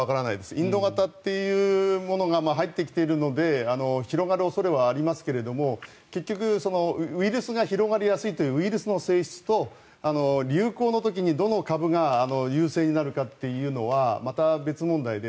インド型というものが入ってきているので広がる恐れはありますが、結局ウイルスが広がりやすいというウイルスの性質と流行の時にどの株が優勢になるかというのはまた別問題で。